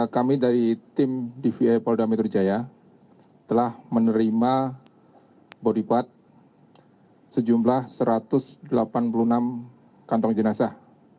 kami dari tim dvi polda metro jaya telah menerima body part sejumlah satu ratus delapan puluh enam kantong jenazah